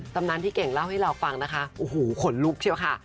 ตำนานพี่เก่งเล่าให้เราฟังนะคะโอ้โหขนลุกเชียวค่ะ